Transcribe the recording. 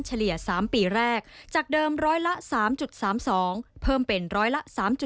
เฉลี่ย๓ปีแรกจากเดิมร้อยละ๓๓๒เพิ่มเป็นร้อยละ๓๗